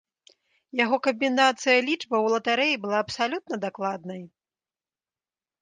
Яго камбінацыя лічбаў латарэі была абсалютна дакладнай.